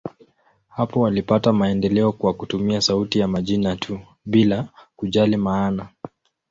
Hapo walipata maendeleo kwa kutumia sauti ya majina tu, bila kujali maana.